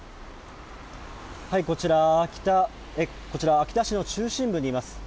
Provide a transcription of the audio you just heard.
こちら秋田市の中心部にいます。